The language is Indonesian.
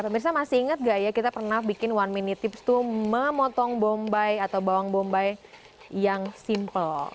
pemirsa masih ingat gak ya kita pernah bikin one minute tips tuh memotong bombay atau bawang bombay yang simple